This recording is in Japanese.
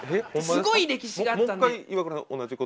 すごい歴史があったんで。